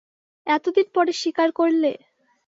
এত দিন পরে স্বীকার করলে!